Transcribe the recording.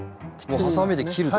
もうハサミで切ると。